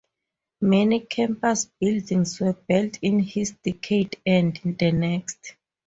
Many campus buildings were built in this decade and the next.